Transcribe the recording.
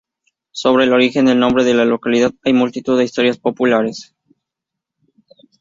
Sobre el origen del nombre de la localidad hay multitud de historias populares.